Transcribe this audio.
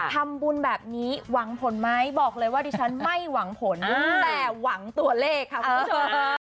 ทำบุญแบบนี้หวังผลไหมบอกเลยว่าดิฉันไม่หวังผลแต่หวังตัวเลขค่ะคุณผู้ชม